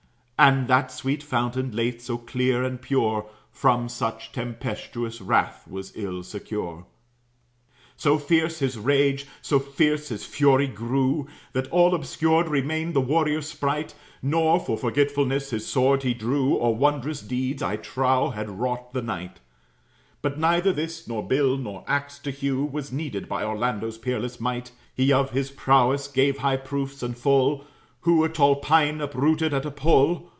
And that sweet fountain, late so clear and pure, From such tempestous wrath was ill secure. So fierce his rage, so fierce his fury grew, That all obscured remained the warrior's sprite; Nor, for forgetfulness, his sword he drew, Or wondrous deeds, I trow, had wrought the knight; But neither this, nor bill, nor axe to hew, Was needed by Orlando's peerless might. He of his prowess gave high proofs and full, Who a tall pine uprooted at a pull.